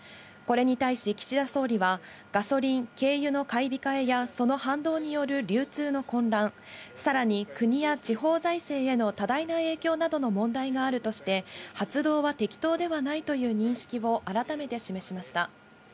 これに対し岸田総理はガソリン、軽油の買い控えや、その反動による流通の混乱、さらに国や地方財政への多大な影響などの問題があるとして、発動は適当ではないという認識を改めて示しました。